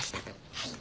はい。